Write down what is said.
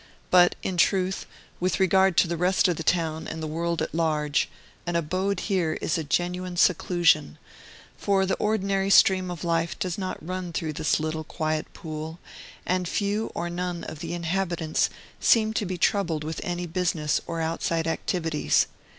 But, in truth, with regard to the rest of the town and the world at large, all abode here is a genuine seclusion; for the ordinary stream of life does not run through this little, quiet pool, and few or none of the inhabitants seem to be troubled with any business or outside activities.